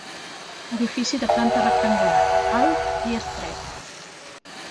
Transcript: Edifici de planta rectangular, alt i estret.